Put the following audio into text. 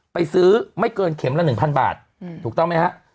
ไปซื้อไม่เกินเข็มละ๑๐๐บาทถูกต้องไหมฮะ